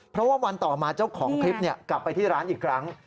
เพราะว่าวันต่อมาเจ้าของคลิปกลับไปที่ร้านอีกครั้ง